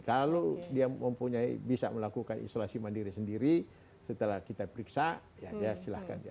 kalau dia mempunyai bisa melakukan isolasi mandiri sendiri setelah kita periksa ya silahkan